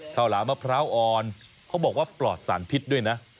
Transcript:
หลามะพร้าวอ่อนเขาบอกว่าปลอดสารพิษด้วยนะ